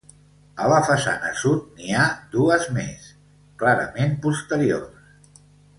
A la façana sud n'hi ha dues més, clarament posteriors.